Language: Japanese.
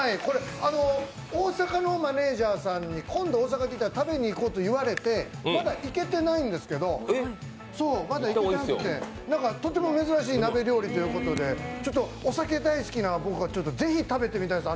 大阪のマネージャーさんに今度大阪に来たら食べに行こうと言われてまだ行けてないんですけど、とても珍しい鍋料理ということでちょっとお酒大好きな僕はぜひ食べてみたいんです。